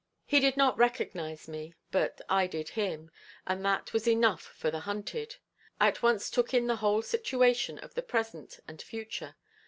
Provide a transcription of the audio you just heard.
He did not recognize me, but I did him, and that was enough for the hunted. I at once took in the whole situation of the present and future.